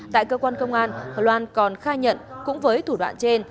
tại cơ quan công an h loan còn khai nhận cũng với thủ đoạn trên